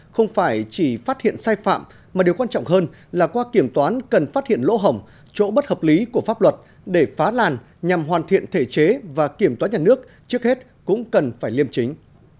không phải chỉ phát hiện sai phạm mà điều quan trọng hơn là qua kiểm toán cần phát hiện lỗ hỏng chỗ bất hợp lý của pháp luật để phá làn nhằm hoàn thiện thể chế và kiểm toán nhà nước trước hết cũng cần phải liêm chính